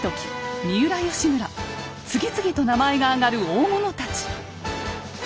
次々と名前が挙がる大物たち。